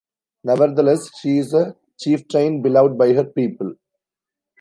Nevertheless, she is a chieftain beloved by her people.